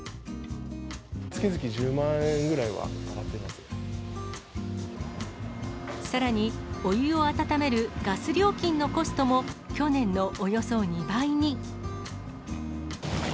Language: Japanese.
月々１０万円ぐらいは上がっさらに、お湯を温めるガス料金のコストも、去年のおよそ２倍に。